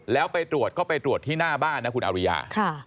แล้วไปตรวจก็ไปตรวจที่หน้าบ้านนะคุณอริยา